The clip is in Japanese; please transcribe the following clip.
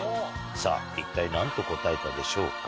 さあ、一体なんと答えたでしょうか。